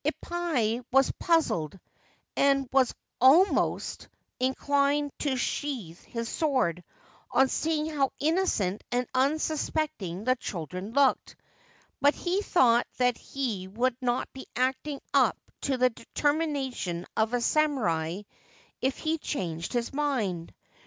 Ippai was puzzled, and was almost inclined to sheathe his sword on seeing how innocent and un suspecting the children looked ; but he thought that he would not be acting up to the determination of a samurai if he changed his mind.